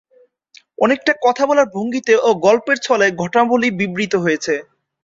অনেকটা কথা বলার ভঙ্গিতে ও গল্পের ছলে ঘটনাবলী বিবৃত হয়েছে।